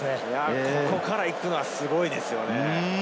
ここから行くのはすごいですよね。